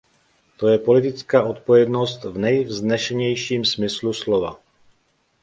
To je politická odpovědnost v nejvznešenějším smyslu slova.